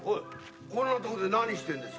こんなとこで何してんです？